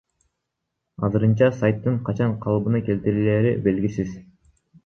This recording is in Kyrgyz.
Азырынча сайттын качан калыбына келтирилери белгисиз.